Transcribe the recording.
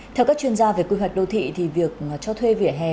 theo các chuyên gia về quy hoạch đô thị thì việc cho thuê vỉa hè